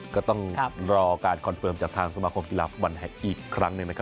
ก็ต้องรอการคอนเฟิร์มจากทางสมาคมกีฬาฝุ่นอีกครั้งหนึ่ง